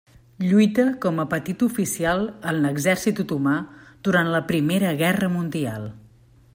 Lluita com a petit oficial en l'Exèrcit otomà durant la Primera Guerra Mundial.